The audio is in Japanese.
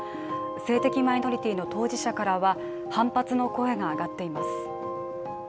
性的マイノリティーの当事者からは反発の声が上がっています。